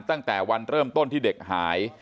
ตั้งแต่วันเริ่มต้นที่เด็กหาย